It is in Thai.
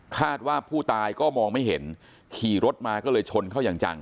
คาดว่าผู้ตายก็มองไม่เห็นขี่รถมาก็เลยชนเข้าอย่างจัง